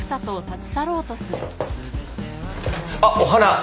あっお花！